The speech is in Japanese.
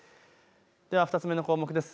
では２つ目の項目です。